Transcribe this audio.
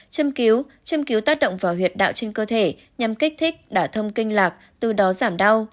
châm cứu châm cứu tác động vào huyệt đạo trên cơ thể nhằm kích thích đả thông kinh lạc từ đó giảm đau